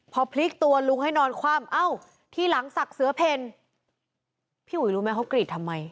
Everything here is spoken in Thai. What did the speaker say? พอพลิกตัวลุงให้นอนคว่ำเอ้าทีหลังศักดิ์เสือเพลพี่อุ๋ยรู้ไหมเขากรีดทำไม